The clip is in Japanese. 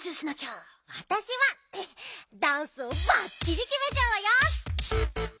わたしはダンスをバッチリきめちゃうわよ！